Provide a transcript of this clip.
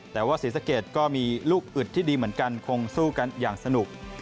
แต่ว่าศรีสะเกดก็มีลูกอึดที่ดีเหมือนกันคงสู้กันอย่างสนุก